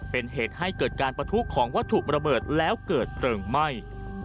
เป็นเหตุให้เกิดการประทุของวัตถุระเบิดแล้วเกิดเพลิงไหม้